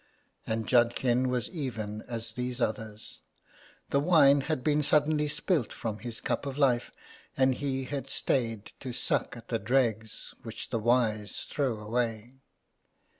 And Judkin was even as these others ; the wine had been suddenly spilt from his cup of life, and he had stayed to suck at the dregs which the wise throw away.